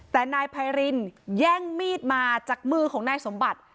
แต่นายไพรินแย่งมีดมาจากมือของนายสมบัติ